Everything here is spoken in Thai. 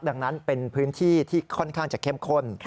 ดังนั้นเป็นพื้นที่ที่ค่อนข้างจะเข้มข้น